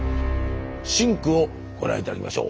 シンクをご覧頂きましょう。